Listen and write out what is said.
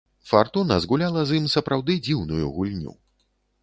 Фартуна згуляла з ім сапраўды дзіўную гульню.